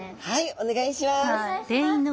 お願いします。